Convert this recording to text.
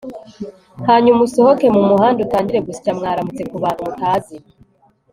hanyuma usohoke mu muhanda utangire gusya 'mwaramutse' ku bantu mutazi